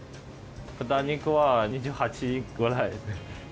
豚肉は２８くらい。